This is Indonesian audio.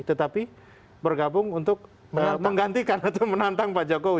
tetapi bergabung untuk menggantikan atau menantang pak jokowi